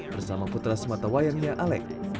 bersama putra sematawayangnya alex